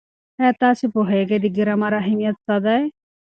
ایا تاسې پوهېږئ د ګرامر اهمیت څه دی؟